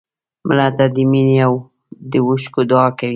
مړه ته د مینې د اوښکو دعا کوو